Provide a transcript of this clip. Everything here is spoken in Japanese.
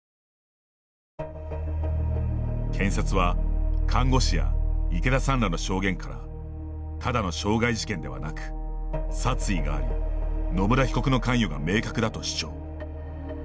検察は看護師や池田さんらの証言からただの傷害事件ではなく殺意があり野村被告の関与が明確だと主張。